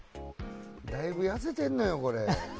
だいぶ痩せてんねん、これ。